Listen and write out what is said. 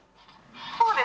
そうですね。